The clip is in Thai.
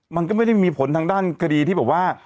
มันก็ไม่ได้มีผลทางด้านคดีที่แบบว่า